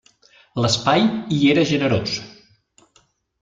L'espai hi era generós.